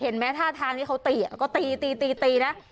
เห็นไหมท่าทางที่เขาตีก็ตีนะ